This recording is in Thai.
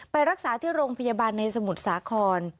ไปรักษาที่โรงพยาบาลในสมุทรสาคร